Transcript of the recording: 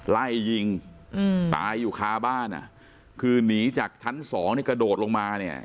ไล่ยิงตายอยู่ค้าบ้านคือนีจากทั้ง๒เนี่ยกระโดดลงมาเนี่ย